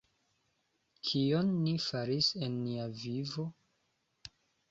Kion ni faris en nia vivo?